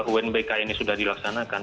unbk ini sudah dilaksanakan